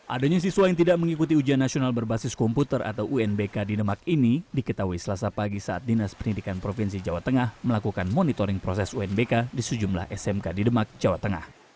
adanya siswa yang tidak mengikuti ujian nasional berbasis komputer atau unbk di demak ini diketahui selasa pagi saat dinas pendidikan provinsi jawa tengah melakukan monitoring proses unbk di sejumlah smk di demak jawa tengah